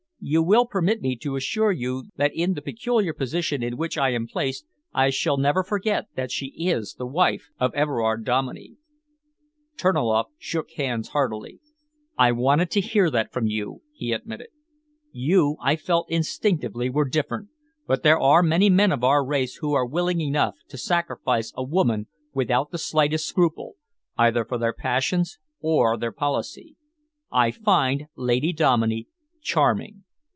You will permit me to assure you that in the peculiar position in which I am placed I shall never forget that she is the wife of Everard Dominey." Terniloff shook hands heartily. "I wanted to hear that from you," he admitted. "You I felt instinctively were different, but there are many men of our race who are willing enough to sacrifice a woman without the slightest scruple, either for their passions or their policy. I find Lady Dominey charming."